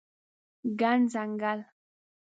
ګڼ ځنګل